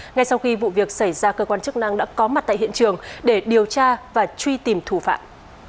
ngay sau khi vụ việc xảy ra cơ quan chức năng đã có mặt tại hiện trường để điều tra và truy tìm thủ phạm